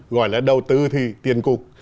gọi là đầu tư thì tiền cục